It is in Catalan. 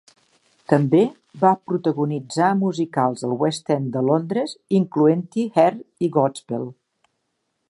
També va protagonitzar musicals al West End de Londres, incloent-hi "Hair" i "Godspell".